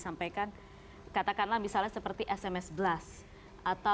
bagaimana kita bisa menghasilkan